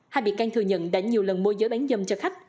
hai bị can thừa nhận đã nhiều lần mua giới bán dâm cho khách